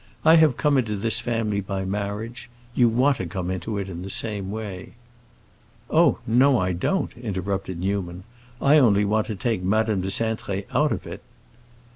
I have come into this family by marriage; you want to come into it in the same way." "Oh no, I don't!" interrupted Newman. "I only want to take Madame de Cintré out of it."